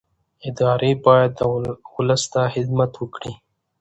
ادارې باید ولس ته خدمت وکړي